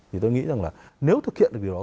thì tôi nghĩ rằng là nếu thực hiện được điều đó